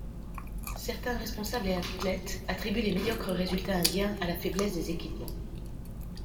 Certains responsables et athlètes attribuent les médiocres résultats indiens à la faiblesse des équipements.